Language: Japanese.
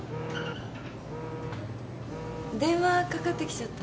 ・電話かかってきちゃった。